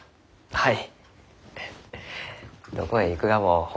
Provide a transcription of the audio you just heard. はい。